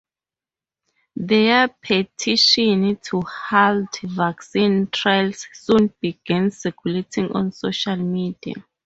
Their petition to halt vaccine trials soon began circulating on social media.